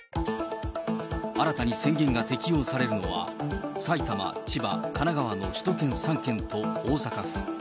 新たに宣言が適用されるのは、埼玉、千葉、神奈川の首都圏３県と大阪府。